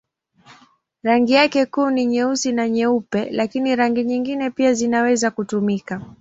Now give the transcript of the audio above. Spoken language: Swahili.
Rangi yake kuu ni nyeusi na nyeupe, lakini rangi nyingine pia zinaweza kutumika.